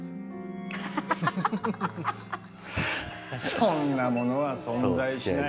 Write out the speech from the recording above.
そんなものは存在しない。